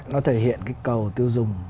nó thể hiện cái cầu tiêu dùng